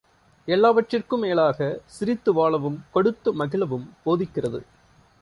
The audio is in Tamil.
எல்லாவற்றிற்கும் மேலாக சிரித்துவாழவும் கொடுத்து மகிழவும் போதிக்கிறது.